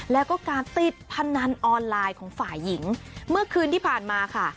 แล้วก็การติดพนันออนไลน์ของฝ่ายหญิงเมื่อคืนที่ผ่านมาค่ะ